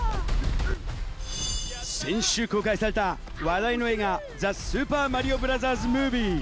先週公開された話題の映画『ザ・スーパーマリオブラザーズ・ムービー』。